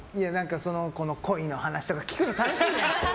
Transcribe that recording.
恋の話とか聞くの楽しいじゃないですか。